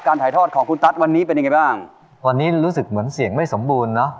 ถ่ายทอดของคุณตั๊ดวันนี้เป็นยังไงบ้างตอนนี้รู้สึกเหมือนเสียงไม่สมบูรณ์เนอะ